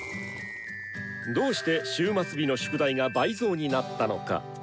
どうして終末日の宿題が倍増になったのか？